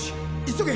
急げ！